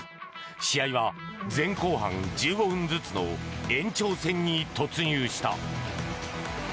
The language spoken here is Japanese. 試合は前後半１５分ずつの延長戦に突入した。